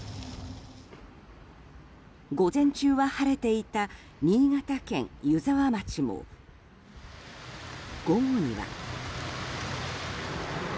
午前中は晴れていた新潟県湯沢町も、午後には。